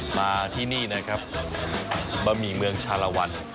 มาที่นี่นะครับบะหมี่เมืองชาลวัน